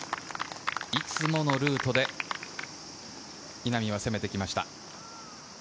いつものルートで、稲見は攻めてきました。